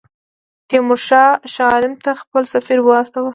تیمورشاه شاه عالم ته خپل سفیر واستاوه.